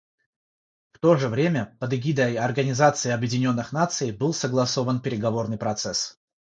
В то же время под эгидой Организации Объединенных Наций был согласован переговорный процесс.